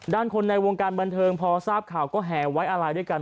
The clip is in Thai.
คนในวงการบันเทิงพอทราบข่าวก็แห่ไว้อะไรด้วยกัน